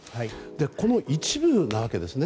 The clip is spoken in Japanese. この一部なわけですよね。